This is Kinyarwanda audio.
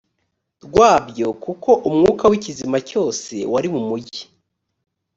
rwabyo kuko umwuka w ikizima cyose wari mu mujyi